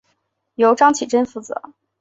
由张启珍负责。